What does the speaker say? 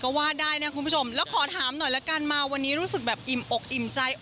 ก็ว่าได้นะคุณผู้ชมแล้วขอถามหน่อยละกันมาวันนี้รู้สึกแบบอิ่มอกอิ่มใจ